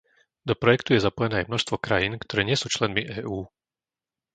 Do projektu je zapojené aj množstvo krajín, ktoré nie sú členmi EÚ.